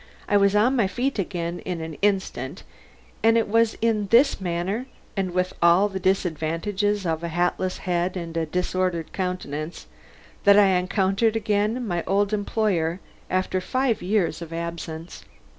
I was on my feet again in an instant and it was in this manner, and with all the disadvantages of a hatless head and a disordered countenance, that I encountered again my old employer after five years of absence.